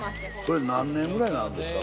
これ何年ぐらいになるんですか？